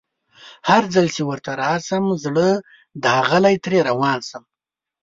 هرځل چي ورته راشم زړه داغلی ترې روان شم